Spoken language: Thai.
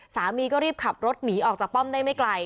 สามีก็รีบขับรถหนีออกจากป้อมได้ไม่ไกล